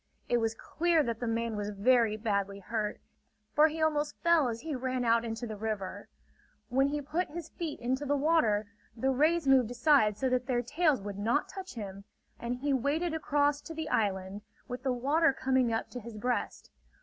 It was clear that the man was very badly hurt; for he almost fell as he ran out into the river. When he put his feet into the water, the rays moved aside so that their tails would not touch him; and he waded across to the island, with the water coming up to his breast.